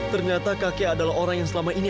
ternyata kakek adalah orang yang selama ini